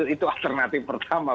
itu alternatif pertama